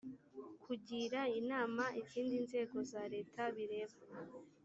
kugira inama izindi nzego za leta bireba